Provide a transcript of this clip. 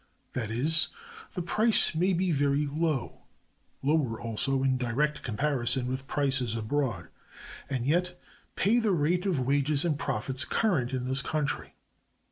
That is, the price may be very low (lower, also, in direct comparison with prices abroad) and yet pay the rate of wages and profits current in this country.